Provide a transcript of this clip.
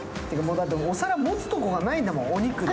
だってお皿持つところがないんだもん、肉で。